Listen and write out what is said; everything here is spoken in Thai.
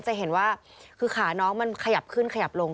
จะเห็นว่าคือขาน้องมันขยับขึ้นขยับลง